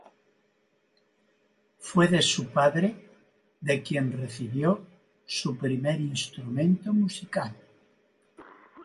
Fue de su padre de quien recibió su primer instrumento musical.